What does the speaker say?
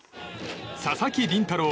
佐々木麟太郎。